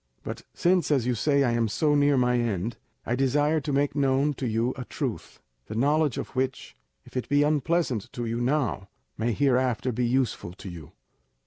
But since, as you say, I am so near my end, I desire to make known to you a truth, the knowledge of which, if it be unpleasant to you now, may hereafter be useful to you.